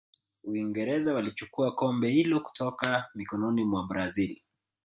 uingereza walichukua kombe hilo kutoka mikononi mwa brazil